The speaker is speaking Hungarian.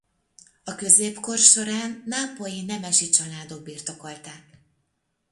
A középkor során nápolyi nemesi családok birtokolták.